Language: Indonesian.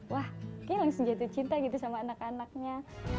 wah ki langsung jatuh cinta gitu sama anak anaknya